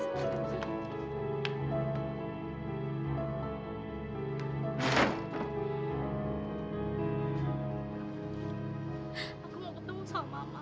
aku mau ketemu sama mama